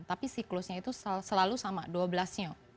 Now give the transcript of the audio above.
tapi siklusnya itu selalu sama dua belas sio